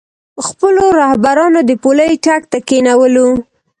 خپلو رهبرانو د پولۍ ټک ته کېنولو.